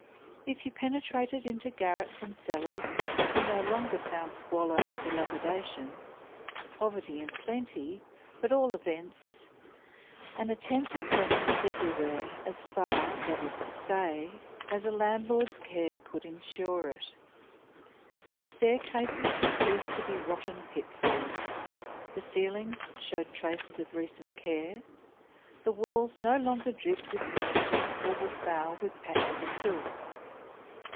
If you penetrated into garrets and cellars you no longer found squalor and dilapidation; poverty in plenty, but at all events an attempt at cleanliness everywhere, as far, that is to say, as a landlord's care could ensure it. The stair cases had ceased to be rotten pit falls; the ceilings showed traces of recent care; the walls no longer dripped with moisture or were foul with patches of filth.